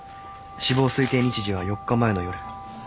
死亡推定日時は４日前の夜。